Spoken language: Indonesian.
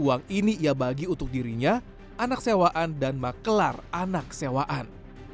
uang ini ia bagi untuk dirinya anak sewaan dan maklar anak sewaan